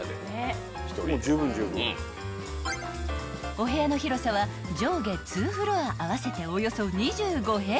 ［お部屋の広さは上下ツーフロア合わせておよそ２５平米］